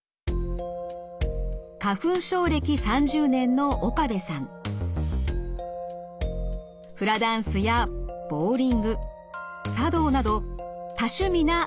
花粉症歴３０年のフラダンスやボウリング茶道など多趣味な７５歳です。